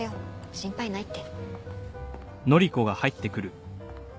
心配ないって。